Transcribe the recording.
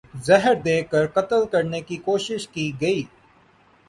زہر دے کر قتل کرنے کی کوشش کی گئی